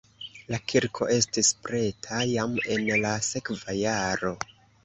La kirko estis preta jam en la sekva jaro.